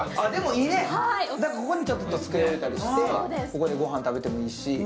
ここにちょっと机置いたりしてここでご飯を食べてもいいし。